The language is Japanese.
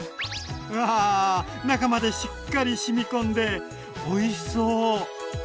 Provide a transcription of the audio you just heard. うわ中までしっかり染みこんでおいしそう！